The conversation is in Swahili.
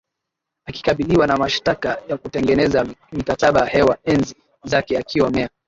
akikabiliwa na mashtaka ya kutengeneza mikataba hewa enzi zake akiwa meya